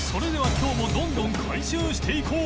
きょうもどんどん回収していこう！